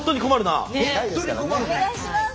お願いします。